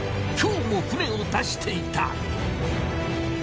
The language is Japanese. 今日も船を出していた！